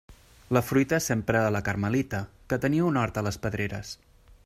La fruita sempre a la Carmelita, que tenia un hort a les Pedreres.